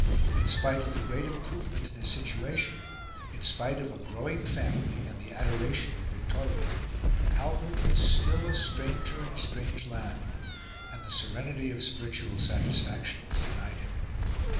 In spite of the great improvement in his situation, in spite of a growing family and the adoration of Victoria, Albert was still a stranger in a strange land, and the serenity of spiritual satisfaction was denied him.